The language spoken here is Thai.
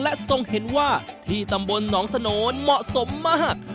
และทรงเห็นว่าที่ตำบลหนองสโนนเหมาะสมมาก